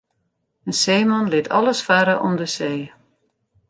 In seeman lit alles farre om de see.